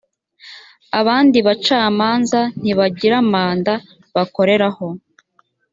abandi bacamanza ntibagira manda bakoreraho.